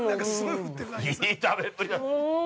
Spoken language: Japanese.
◆いい食べっぷりだ。